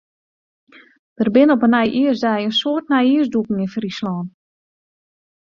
Der binne op nijjiersdei in soad nijjiersdûken yn Fryslân.